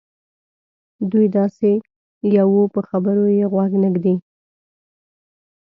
دوی داسې یوو په خبرو یې غوږ نه ږدي.